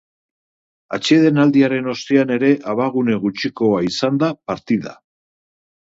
Atsedenaldiaren ostean ere abagune gutxikoa izan da partida.